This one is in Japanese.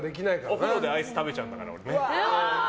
お風呂でアイス食べちゃうんだから。